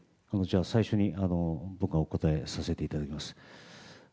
最初に僕がお答えさせていただきます。